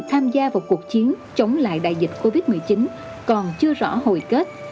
tham gia vào cuộc chiến chống lại đại dịch covid một mươi chín còn chưa rõ hồi kết